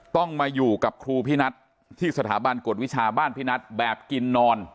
ต้องมาอยู่กับครูพินัทที่สถาบันกฎวิชาบ้านพี่นัทแบบกินนอน